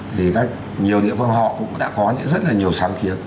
thì nhiều địa phương họ cũng đã có những rất là nhiều sáng kiến